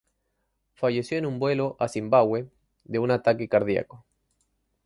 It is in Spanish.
Falleció en un vuelo a Zimbabue de un ataque cardíaco.